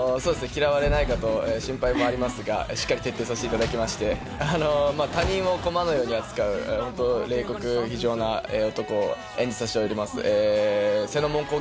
嫌われないかと心配もありますが、しっかり徹底させていただきまして、他人を駒のように扱う、冷酷非情な男を演じさせております。